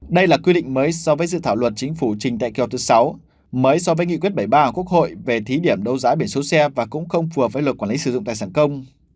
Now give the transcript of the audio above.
đây là quy định mới so với dự thảo luật chính phủ trình tại kỳ họp thứ sáu mới so với nghị quyết bảy mươi ba của quốc hội về thí điểm đấu giá biển số xe và cũng không phù với luật quản lý sử dụng tài sản công